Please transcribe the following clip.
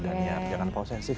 dan ya jangan posesif